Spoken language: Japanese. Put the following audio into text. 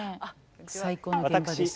最高の現場でした今回。